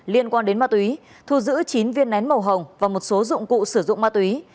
liên quan đến ma túy thu giữ chín viên nén màu hồng và một số dụng cụ sử dụng ma túy